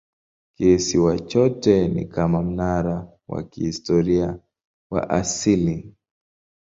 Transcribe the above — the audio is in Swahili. Kisiwa chote ni kama mnara wa kihistoria wa asili.